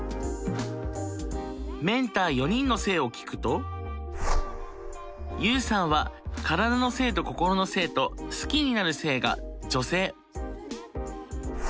メンター４人の性を聞くとＵさんは体の性と心の性と好きになる性が女性。